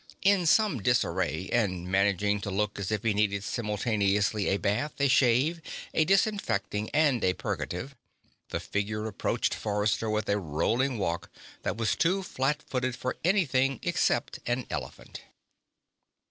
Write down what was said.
In some disarray, and managing to look as if he needed simultaneously a bath, a shave, a disinfecting and a purgative, the figure approached Forrester with a rolling walk that was too flat footed for anything except an elephant.